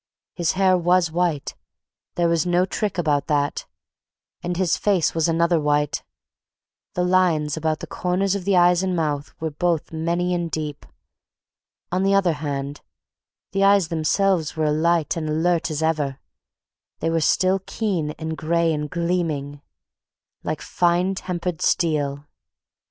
His hair was white; there was no trick about that; and his face was another white. The lines about the corners of the eyes and mouth were both many and deep. On the other hand, the eyes themselves were alight and alert as ever; they were still keen and gray and gleaming, like finely tempered steel.